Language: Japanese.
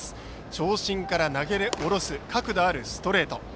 長身から投げ下ろす角度のあるストレート。